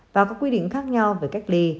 và có quy định khác nhau về cách ly